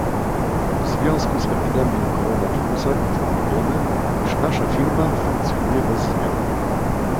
W związku z epidemią koronawirusa informujemy, iż nasza Firma funkcjonuje bez zmian.